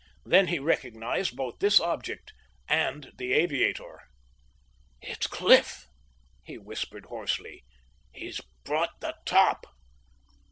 Then he recognized both this object and the aviator. "It's Cliff," he whispered hoarsely. "He's brought the top!"